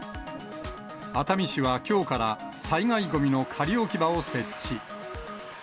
熱海市はきょうから災害ごみの仮置き場を設置。